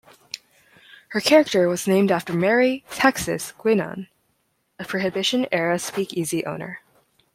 Her character, was named after Mary "Texas" Guinan, a prohibition-era speakeasy owner.